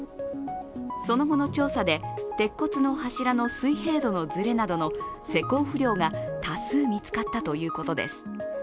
その後の調査で、鉄骨の柱の水平度のずれなどの施工不良が多数見つかったということです。